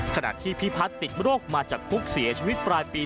ขณะที่พิพัฒน์ติดโรคมาจากคุกเสียชีวิตปลายปี